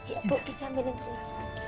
yuk kita ambilin dulu